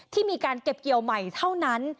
ที่มีการเก็บเกี่ยวใหม่เท่านั้น